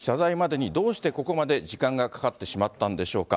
謝罪までにどうしてここまで時間がかかってしまったんでしょうか。